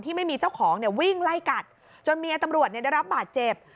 ไม่มีเจ้าของเนี่ยวิ่งไล่กัดจนเมียตำรวจได้รับบาดเจ็บ